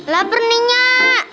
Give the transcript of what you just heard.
laper nih nyak